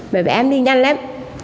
bẹ ảm đi nhanh lắm